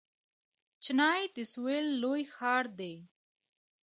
چنای د سویل لوی ښار دی.